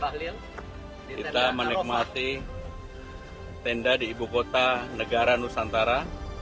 kita menikmati tenda di ibu kota negara nusantara